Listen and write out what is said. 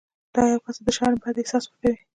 دا یو کس ته د شرم بد احساس ورکوي.